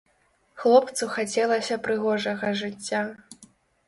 Хлопцу хацелася прыгожага жыцця.